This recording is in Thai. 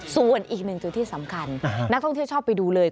ส่วนอีกหนึ่งจุดที่สำคัญนักท่องเที่ยวชอบไปดูเลย